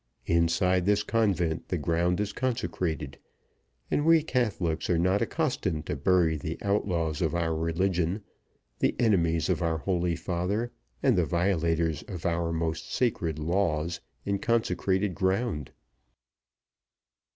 Inside this convent the ground is consecrated, and we Catholics are not accustomed to bury the outlaws of our religion, the enemies of our holy father, and the violators of our most sacred laws in consecrated ground.